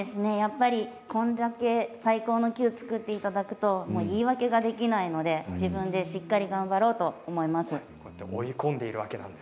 これだけ最高のキューを作っていただくと言い訳できないのでしっかり頑張ろうと思います。